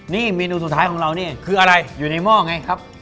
นี่เมนูสุดท้ายของเรานี่คืออะไรอยู่ในหม้อไงครับ